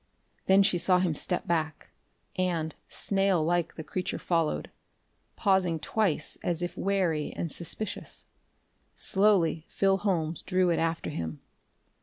Then she saw him step back; and, snail like, the creature followed, pausing twice, as if wary and suspicious. Slowly Phil Holmes drew it after him.